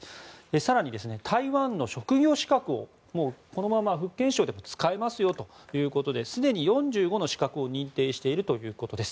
更に、台湾の職業資格をこのまま福建省でも使えますよということですでに４５の資格を認定しているということです。